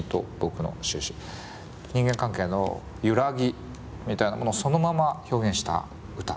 人間関係の揺らぎみたいなものをそのまま表現した歌。